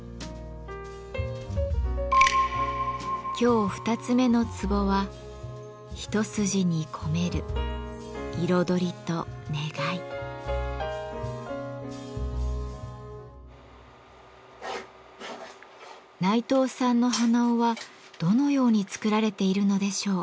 今日二つ目のツボは内藤さんの鼻緒はどのように作られているのでしょう？